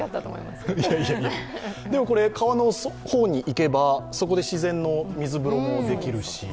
川の方へ行けば、そこで自然の水風呂もできるし。